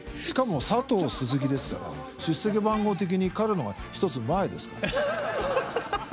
しかも佐藤鈴木ですから出席番号的に彼の方が１つ前ですから。